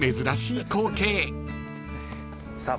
さあ